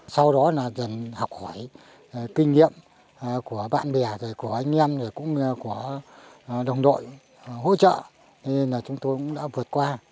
sau đó là dành học hỏi kinh nghiệm của bạn bè của anh em cũng của đồng đội hỗ trợ để chúng ta cũng vượt qua